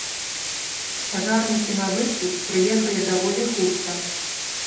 Пажарнікі на выклік прыехалі даволі хутка.